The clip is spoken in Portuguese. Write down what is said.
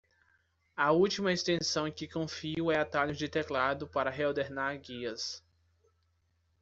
A última extensão em que confio é Atalhos de Teclado para Reordenar Guias.